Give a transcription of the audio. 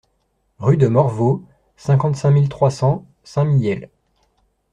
Rue de Morvaux, cinquante-cinq mille trois cents Saint-Mihiel